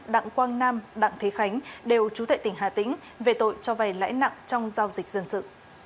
đặng quang nam đặng thế khánh đều trú tại tỉnh hà tĩnh về tội cho vay lãi nặng trong giao dịch dân sự